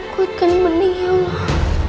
kuatkan mending ya allah